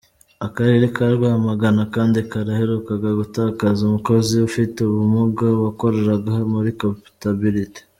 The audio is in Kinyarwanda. Akarere ka Rwamagana kandi kaherukaga gutakaza umukozi ufite ubumuga wakoraga muri comptabilité.